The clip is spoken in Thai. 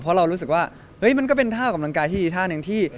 เพราะเรารู้สึกว่าเฮ้ยมันก็เป็นท่ากำลังกายที่อีกท่าหนึ่งที่